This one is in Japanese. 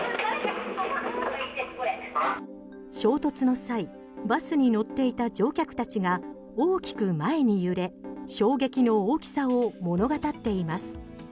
衝突の際バスに乗っていた乗客たちが大きく前に揺れ衝撃の大きさを物語っています。